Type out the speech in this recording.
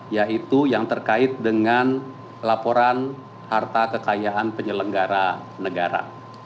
yaitu yang terkait dengan laporan harta kekayaan penyelenggara negara